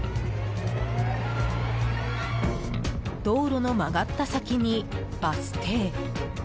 道路の曲がった先にバス停。